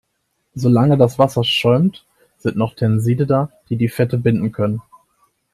Solange das Wasser schäumt, sind noch Tenside da, die Fette binden können.